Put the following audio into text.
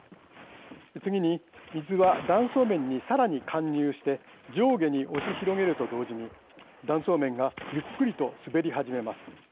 次に、水は断層面にさらに貫入して上下に押し広げると同時に断層面がゆっくりと滑り始めます。